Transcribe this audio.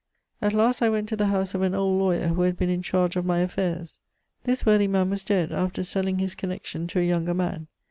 "At last I went to the house of an old lawyer who had been in charge of my affairs. This worthy man was dead, after selling his connection to a younger man.